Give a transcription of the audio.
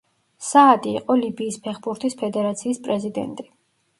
საადი იყო ლიბიის ფეხბურთის ფედერაციის პრეზიდენტი.